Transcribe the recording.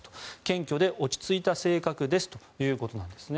謙虚で落ち着いた性格ということです。